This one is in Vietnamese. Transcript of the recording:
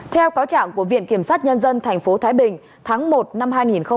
theo cáo trạng của viện kiểm sát nhân dân tp thái bình tháng một năm hai nghìn một mươi chín